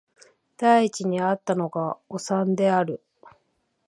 第一に逢ったのがおさんである